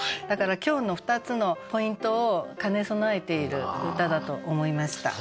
だから今日の２つのポイントを兼ね備えている歌だと思いました。